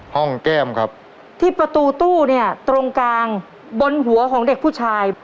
แก้มครับที่ประตูตู้เนี่ยตรงกลางบนหัวของเด็กผู้ชาย